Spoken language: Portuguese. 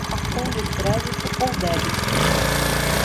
Cartão de crédito ou débito